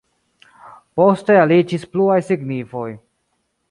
Poste aliĝis pluaj signifoj.